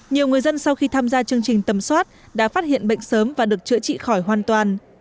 nhiều người dân sau khi tham gia chương trình tầm soát đã phát hiện bệnh sớm và được chữa trị khỏi hoàn toàn